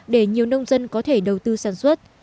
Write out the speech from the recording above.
để nhiều nông dân có thể đầu tư sản xuất